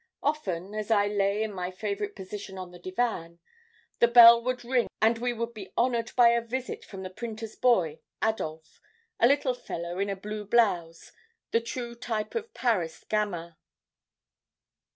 "Often, as I lay in my favorite position on the divan, the bell would ring and we would he honored by a visit from the printer's boy Adolphe, a little fellow in a blue blouse, the true type of Paris gamin.